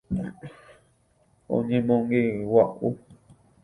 Oñemongegua'u.